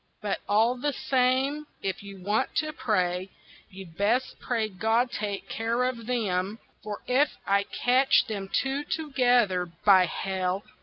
But all the same, if you want to pray, you'd best pray God take care of them, For if I catch them two together, by hell!